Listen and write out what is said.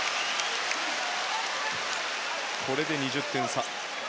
これで２０点差。